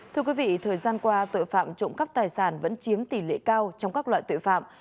thưa quý vị thời gian qua tội phạm trộm cắp tài sản vẫn chiếm tỷ lệ cao trong các loại tội phạm